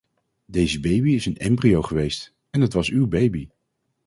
Deze baby is een embryo geweest, en het was uw baby.